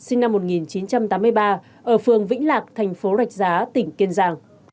sinh năm một nghìn chín trăm tám mươi ba ở phường vĩnh lạc thành phố rạch giá tỉnh kiên giang